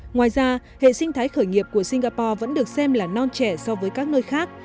ngoài ra hệ sinh thái khởi nghiệp của singapore vẫn được xem là non trẻ so với các nơi khác